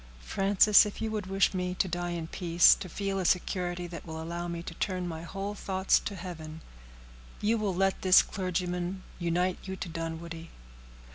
Frances, if you would wish me to die in peace, to feel a security that will allow me to turn my whole thoughts to heaven, you will let this clergyman unite you to Dunwoodie."